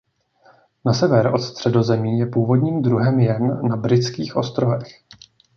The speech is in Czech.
Na sever od Středozemí je původním druhem jen na Britských ostrovech.